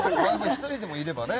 １人でもいればね。